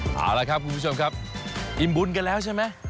เอาละครับคุณผู้ชมครับอิ่มบุญกันแล้วใช่ไหม